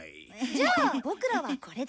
じゃあボクらはこれで。